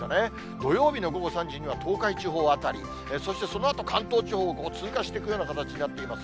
土曜日の午後３時には東海地方辺り、そしてそのあと関東地方を通過していくような形になっています。